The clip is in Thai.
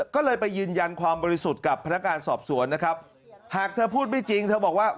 ก็เลยไปยืนยันความบริสุทธิ์กับพนักงานสอบสวนนะครับหากเธอพูดไม่จริงเธอบอกว่า